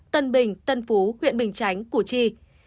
một sáu bảy tám tân bình tân phú huyện bình chánh củ chi